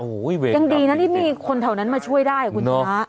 โอ้ยยังดีนะที่มีคนเท่านั้นมาช่วยได้คุณพุทธนา